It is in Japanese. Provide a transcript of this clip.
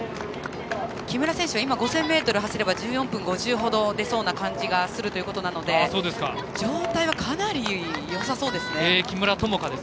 木村選手は今５０００ｍ走れば１４分５０ほど出そうな感じがするということなので状態はかなりよさそうですね。